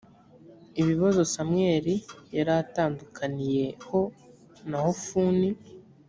ibibazo samweli yari atandukaniye ho na hofuni.